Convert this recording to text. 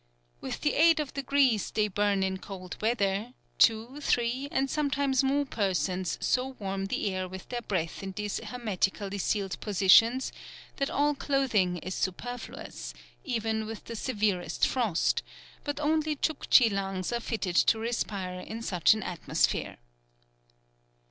With the aid of the grease they burn in cold weather, two, three, and sometimes more persons so warm the air with their breath in these hermetically sealed positions that all clothing is superfluous, even with the severest frost, but only Tchouktchi lungs are fitted to respire in such an atmosphere.